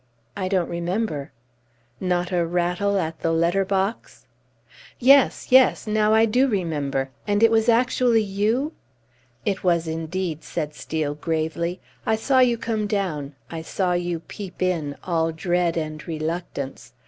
"I don't remember." "Not a rattle at the letter box?" "Yes! Yes! Now I do remember. And it was actually you!" "It was, indeed," said Steel, gravely. "I saw you come down, I saw you peep in all dread and reluctance!